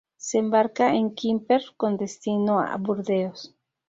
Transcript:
Se embarca en Quimper con destino a Burdeos.